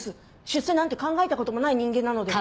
出世なんて考えたこともない人間なので。